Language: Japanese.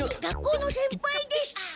学校の先輩です！